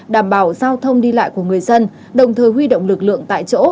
đảm bảo giao thông đi lại của người dân đồng thời huy động lực lượng tại chỗ